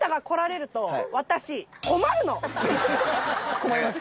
困ります？